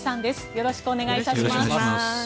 よろしくお願いします。